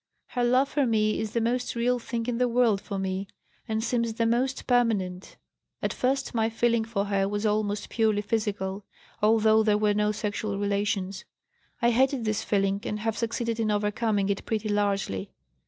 Her love for me is the most real thing in the world for me, and seems the most permanent. At first my feeling for her was almost purely physical, although there were no sexual relations. I hated this feeling and have succeeded in overcoming it pretty largely.